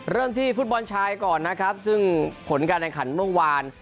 เริ่มที่ฟุตบอลชายก่อนนะครับซึ่งผลการแข่งขันเมื่อวาน